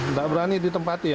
nggak berani ditempati ya